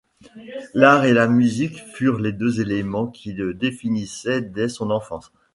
L'art et la musique furent les deux éléments qui le définissait dès son enfance.